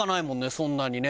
そんなにね。